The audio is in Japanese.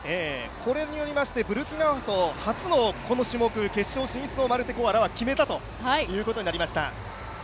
これによりましてブルキナファソ初の決勝進出をマルテ・コアラは決めたということになりました。